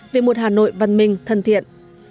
về một hà nội văn minh thân thiện